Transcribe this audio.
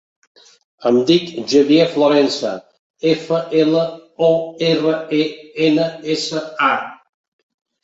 Em dic Javier Florensa: efa, ela, o, erra, e, ena, essa, a.